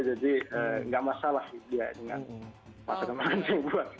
jadi nggak masalah dia dengan masakan masakan yang gue